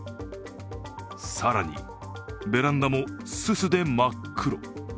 更にベランダも、すすで真っ黒。